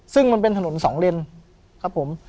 ซึ่งมันเป็นถนนสองเลนครับผม